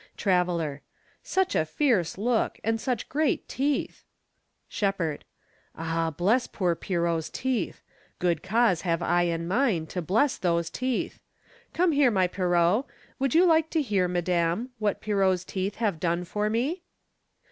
Traveler. Such a fierce look! And such great teeth! Shepherd. Ah, bless poor Pierrot's teeth! Good cause have I and mine to bless those teeth. Come here, my Pierrot. Would you like to hear, Madame, what Pierrot's teeth have done for me?